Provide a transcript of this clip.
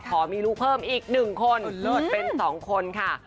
ขอมีลูกเพิ่มอีกหนึ่งคนเลิศเป็นสองคนค่ะ